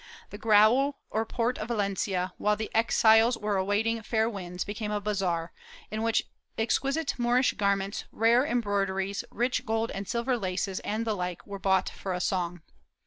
The Grao or port of Valencia, while the exiles were awaiting fair winds, became a bazaar, in which exquisite Moorish garments, rare em broideries, rich gold and silver laces and the like were bought for a song.